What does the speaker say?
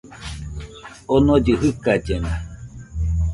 Onollɨ jɨkallena